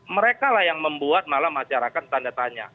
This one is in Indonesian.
mereka lah yang membuat malah masyarakat tanda tanya